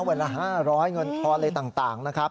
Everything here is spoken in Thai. วันละ๕๐๐เงินทอนอะไรต่างนะครับ